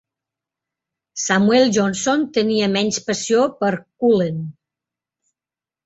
Samuel Johnson tenia menys passió per Cullen.